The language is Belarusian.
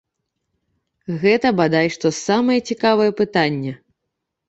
Гэта бадай што самае цікавае пытанне.